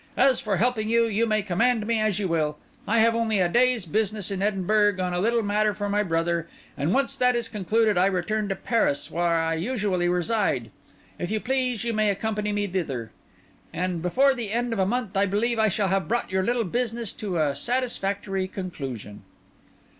As for helping you, you may command me as you will. I have only a day's business in Edinburgh on a little matter for my brother; and once that is concluded, I return to Paris, where I usually reside. If you please, you may accompany me thither. And before the end of a month I believe I shall have brought your little business to a satisfactory conclusion."